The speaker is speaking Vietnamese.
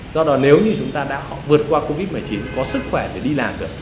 do đó nếu như chúng ta đã vượt qua covid một mươi chín có sức khỏe để đi làm được